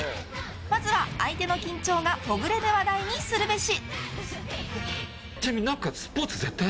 まずは相手の緊張がほぐれる話題にするべし。